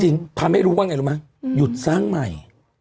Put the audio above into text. จริงทำให้รู้ว่าไงรู้มั้ยหยุดสร้างใหม่